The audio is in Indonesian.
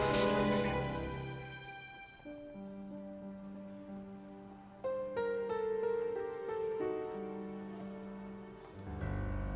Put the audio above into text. saya akan mengundang hasraf